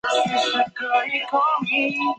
抬轿者称为轿夫。